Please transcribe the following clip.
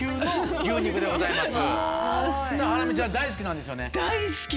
ハラミちゃん大好きなんですよね？